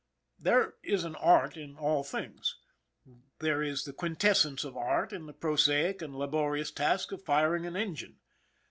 There is art in all things; there is the quintessence of art in the prosaic and laborious task of firing an engine.